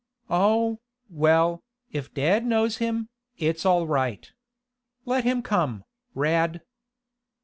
"Oh, well, if dad knows him, it's all right. Let him come, Rad."